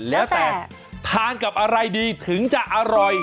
แล้วแต่ทานกับอะไรดีถึงจะอร่อย